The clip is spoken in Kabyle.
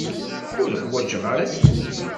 Ur ḥwajeɣ ara aselkim.